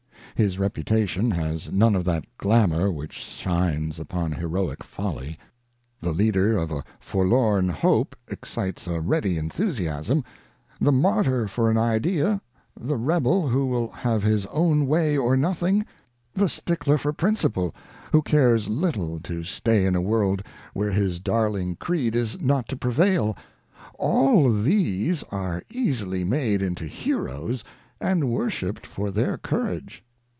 His reputation has none of that glamour which shines upon heroic folly. The leader of a forlorn hope excites a ready enthusiasm ; the martyr for an idea, the rebel who wUl have his own way or nothing, the stickler for principle, who cares little to stay in a world where his darling Vlll INTRODUCTION. darling creed is not to prevail — all these are easily made into heroes, and worshipped for their courage.